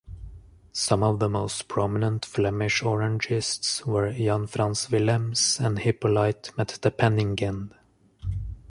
Some of the most prominent Flemish Orangists were Jan Frans Willems and Hippolyte Metdepenningen.